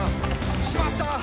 「しまった！